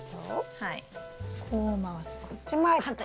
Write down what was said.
はい。